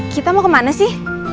kita mau kemana sih